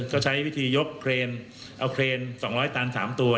ก็ใช้วิธียกเครนเอาเครน๒๐๐ตัน๓ตัว